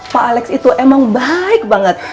pak alex itu emang baik banget